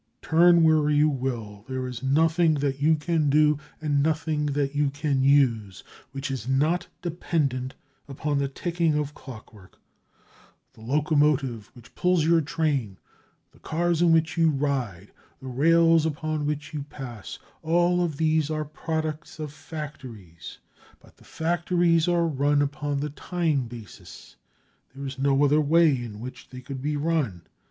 Turn where you will, there is nothing that you can do and nothing that you can use which is not dependent upon the ticking of clockwork. The locomotive which pulls your train, the cars in which you ride, the rails over which you pass, all of these are products of factories, but the factories are run upon the time basis; there is no other way in which they could be run.